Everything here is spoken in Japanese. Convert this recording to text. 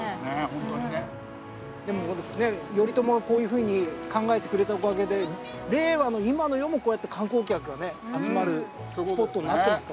ホントね頼朝がこういうふうに考えてくれたおかげで令和の今の世もこうやって観光客がね集まるスポットになってるんですからね。